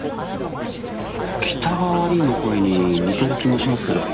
北川凛の声に似てる気もしますけど。